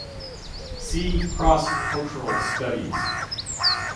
See Cross-cultural studies.